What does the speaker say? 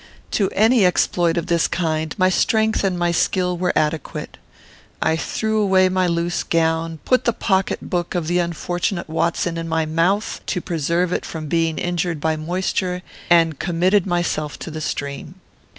To any exploit of this kind, my strength and my skill were adequate. I threw away my loose gown; put the pocket book of the unfortunate Watson in my mouth, to preserve it from being injured by moisture; and committed myself to the stream.